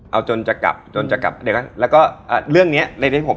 เอาจนจะกลับจนจะกลับ